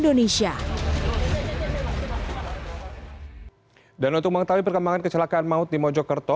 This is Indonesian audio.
dan untuk mengetahui perkembangan kecelakaan maut di mojokerto